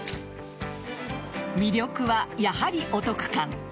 魅力は、やはりお得感。